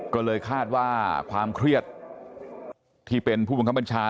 ก็เลยคาดว่าความเครียดที่เป็นผู้บังคับบัญชา